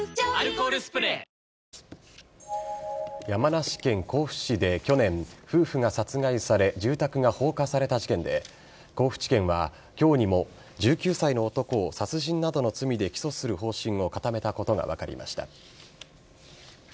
山梨県甲府市で去年夫婦が殺害され住宅が放火された事件で甲府地検は今日にも１９歳の男を殺人などの罪で起訴する方針を固めたことが分かりました。